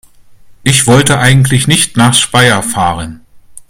Ich wollte eigentlich nicht nach Speyer fahren